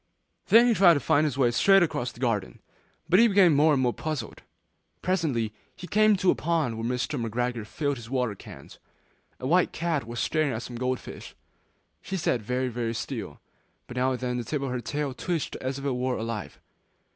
Then he tried to find his way straight across the garden, but he became more and more puzzled. Presently, he came to a pond where Mr. McGregor filled his water cans. A white cat was staring at some gold fish, she sat very, very still, but now and then the tip of her tail twitched as if it were alive.